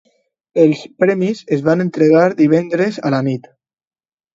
Els premis es van entregar divendres a la nit